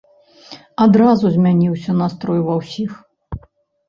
Адразу змяніўся настрой ва ўсіх.